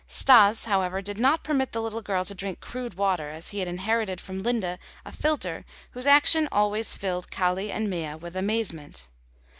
Stas, however, did not permit the little girl to drink crude water as he had inherited from Linde a filter whose action always filled Kali and Mea with amazement.